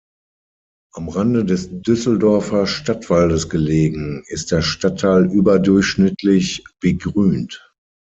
Am Rande des Düsseldorfer Stadtwaldes gelegen, ist der Stadtteil überdurchschnittlich begrünt.